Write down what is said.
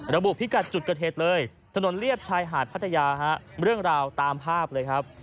พิกัดจุดเกิดเหตุเลยถนนเลียบชายหาดพัทยาฮะเรื่องราวตามภาพเลยครับ